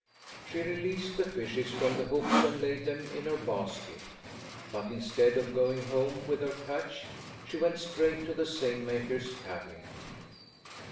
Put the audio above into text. She released the fishes from the hooks and laid them in her basket; but instead of going home with her catch she went straight to the seine maker's cabin.